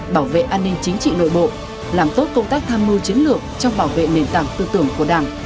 bảo vệ an ninh chính trị nội bộ làm tốt công tác tham mưu chiến lược trong bảo vệ nền tảng tư tưởng của đảng